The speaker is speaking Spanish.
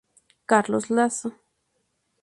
Carlos Lazo.